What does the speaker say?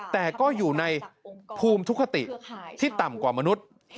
แต่ก็อยู่ในภูมิทุกคติที่ต่ำกว่ามนุษย์